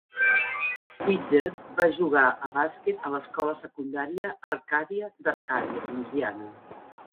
Fizer va jugar a bàsquet a l'escola secundària Arcadia d'Arcadia, Louisiana.